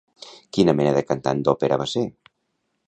Quina mena de cantant d'òpera va ser?